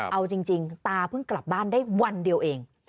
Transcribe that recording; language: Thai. เอาจริงตาเพิ่งกลับบ้านได้วันเดียวเอง